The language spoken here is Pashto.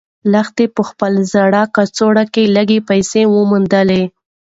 لښتې په خپلې زړې کڅوړې کې لږې پیسې موندلې وې.